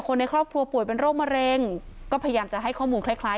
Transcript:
ในครอบครัวป่วยเป็นโรคมะเร็งก็พยายามจะให้ข้อมูลคล้ายคล้าย